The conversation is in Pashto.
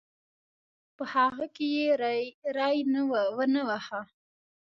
په هغه کې یې ری ونه واهه.